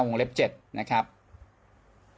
วงเล็กเจ็ดนะครับซึ่งรองการป่าวโน้ทแก่ป่าว